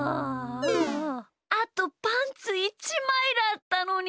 あとパンツ１まいだったのに。